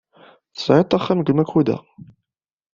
Tesɛiḍ axxam deg Makuda?